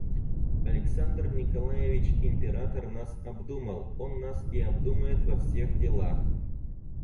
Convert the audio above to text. Александр Николаевич Император нас обдумал, он нас и обдумает во всех делах.